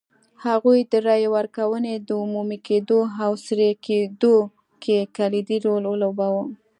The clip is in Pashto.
هغوی د رایې ورکونې د عمومي کېدو او سري کېدو کې کلیدي رول ولوباوه.